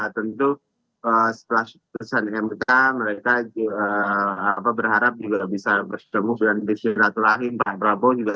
tentu setelah keputusan mk mereka berharap juga bisa bertemu dan bersiraturahim pak prabowo juga